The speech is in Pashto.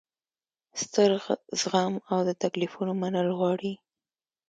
ستر زغم او د تکلیفونو منل غواړي.